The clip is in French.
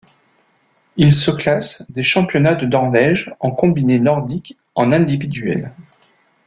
Il se classe des championnats de Norvège en combiné nordique en individuel.